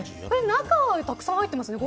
中たくさん入ってますね